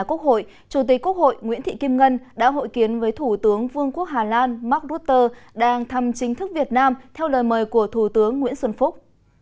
chủ tịch quốc hội nguyễn thị kim ngân đã hội kiến với thủ tướng vương quốc hà lan mark rutter đang thăm chính thức việt nam theo lời mời của thủ tướng nguyễn xuân phúc